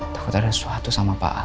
takut ada sesuatu sama pak a